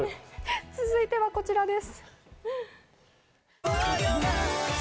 続いてはこちらです。